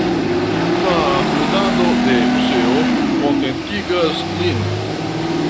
La ludado de Moseo kontentigas lin.